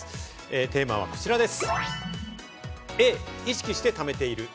テーマは、こちらです。